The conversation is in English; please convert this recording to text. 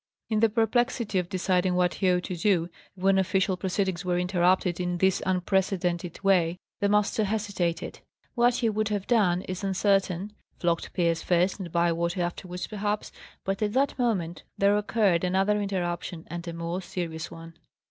In the perplexity of deciding what he ought to do, when official proceedings were interrupted in this unprecedented way, the master hesitated. What he would have done is uncertain flogged Pierce first and Bywater afterwards, perhaps but at that moment there occurred another interruption, and a more serious one.